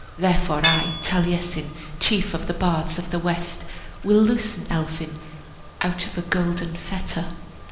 Therefore I, Taliesin, Chief of the bards of the west, Will loosen Elphin Out of a golden fetter."